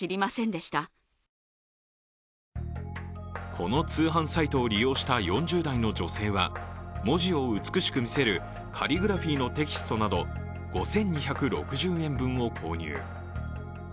この通販サイトを利用した４０代の女性は文字を美しく見せるカリグラフィーのテキストなど５２６０円分を購入。